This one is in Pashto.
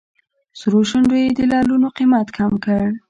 سرو شونډو یې د لعلونو قیمت کم کړ.